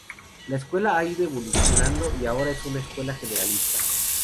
La escuela ha ido evolucionando y ahora es una escuela "generalista".